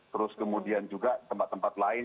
terus kemudian juga tempat tempat lain